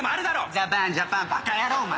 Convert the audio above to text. ザバンジャパンバカ野郎お前！